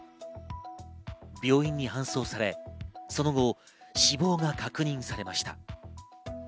病院に搬送され、その後、死亡が確認されました。